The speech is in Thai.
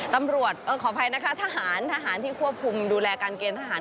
ขออภัยนะคะทหารทหารที่ควบคุมดูแลการเกณฑหาร